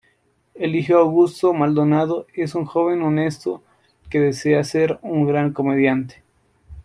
Eligio Augusto Maldonado es un joven honesto que desea ser un gran comediante.